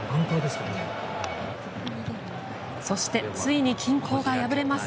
そして、ついに均衡が破れます。